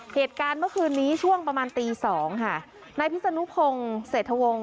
เหตุการณ์เมื่อคืนนี้ช่วงประมาณตีสองค่ะนายพิศนุพงศ์เศรษฐวงศ